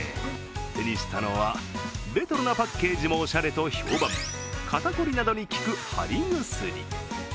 手にしたのはレトロなパッケージもおしゃれと評判、肩凝りなどに効く貼り薬。